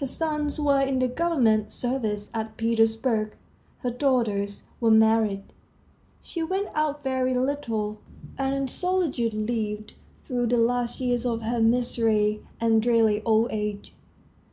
Her sons were in the government service at Petersburg; her daughters were married; she went out very little, and in solitude lived through the last years of her miserly and dreary old age.